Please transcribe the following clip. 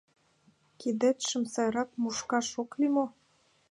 — Кидетшым сайрак мушкаш ок лий мо?